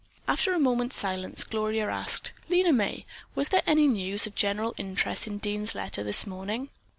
After a moment's silence, Gloria asked: "Lena May, was there any news of general interest in Dean's letter this morning?"